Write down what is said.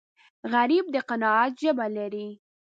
غریب د قناعت ژبه لري